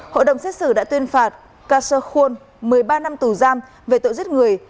hội đồng xét xử đã tuyên phạt kershaw kwon một mươi ba năm tù giam về tội giết người